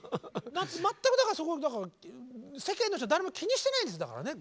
全くだから世間の人誰も気にしてないんですだからね。